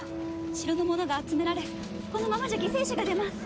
城の者が集められこのままじゃ犠牲者が出ます！